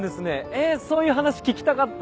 えそういう話聞きたかった。